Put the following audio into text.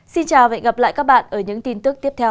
xin chào và hẹn gặp lại các bạn ở những tin tức tiếp theo